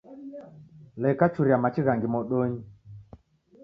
Leka churia machi ghangi modonyi